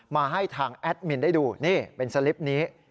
มาให้ทางแอดมินได้ดูนี่เป็นสลิปนี้